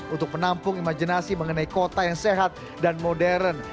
untuk menampung imajinasi mengenai kota yang sehat dan modern